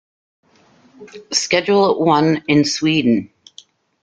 Schedule One in Sweden.